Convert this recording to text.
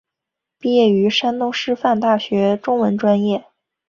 毕业于山东师范大学中文专业。